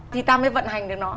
thì ta mới vận hành được nó